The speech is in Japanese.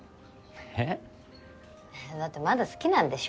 えっ？だってまだ好きなんでしょ？